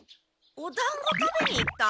おだんご食べに行った！？